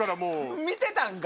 見てたんか。